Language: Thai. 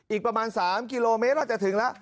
อีกประมาณ๓กิโลเมตรน่าจะถึงแล้ว